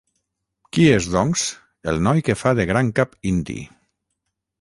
Qui és, doncs, el noi que fa de gran cap indi?